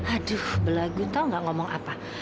aduh belagu tau gak ngomong apa